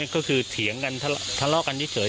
ก็คือเถียงกันทะเลาะกันเที่ยวเผย